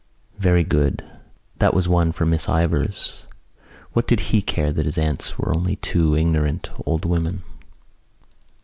Very good: that was one for Miss Ivors. What did he care that his aunts were only two ignorant old women?